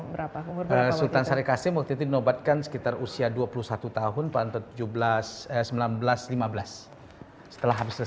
berapa umur sultan sari kasim waktu itu di nobatkan sekitar usia dua puluh satu tahun pada tujuh belas sembilan belas lima belas setelah habis kejadian mereka menerawati kekuasaan yang baru lalu dia berumur sepuluh tahun